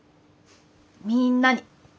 みんなに。